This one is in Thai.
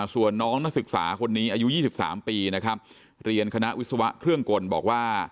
ส่วนน้องนักศึกษาคนนี้อายุ๒๓ปีนะครับเรียนคณะวิศวะเครื่องกลบอกว่า